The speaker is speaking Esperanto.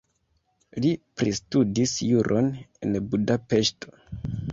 Li pristudis juron en Budapeŝto.